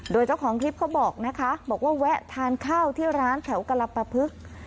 โดยเจ้าของคลิปเขาบอกนะคะบอกว่าแวะทานข้าวที่ร้านแถวกรปภึก